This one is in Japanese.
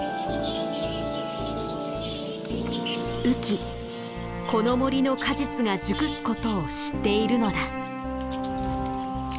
雨季この森の果実が熟すことを知っているのだ。